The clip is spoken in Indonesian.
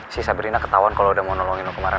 si sabrina ketauan kalo udah mau nolongin lo kemarin